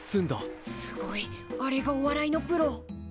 すごいあれがお笑いのプロ。